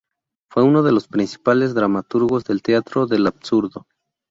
Fue uno de los principales dramaturgos del teatro del absurdo.